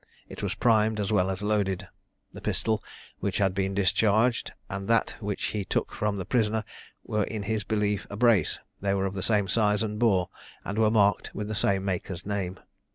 It was primed as well as loaded. The pistol which had been discharged and that which he took from the prisoner were in his belief a brace; they were of the same size and bore, and were marked with the same maker's name.